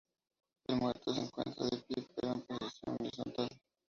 El muerto se encuentra de pie, pero en posición horizontal.